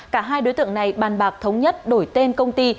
cả hai đối tượng này bàn bạc thống nhất đổi tên công ty